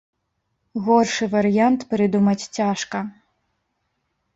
Горшы варыянт прыдумаць цяжка.